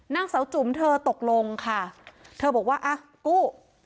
นางเสาจุ๋มเธอตกลงค่ะเธอบอกว่าอ่ะกู้